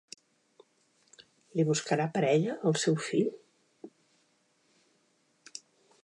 Li buscarà parella al seu fill?